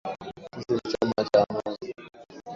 Sisi ni chama cha Amani